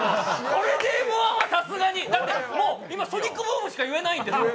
これで「Ｍ−１」はさすがに！だって、もう今、ソニックブームしか言えない。